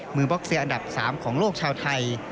บล็อกเซียอันดับ๓ของโลกชาวไทย